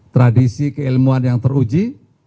tradisi keilmuan yang teruji